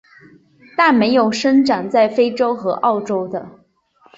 但没有生长在非洲和澳洲的。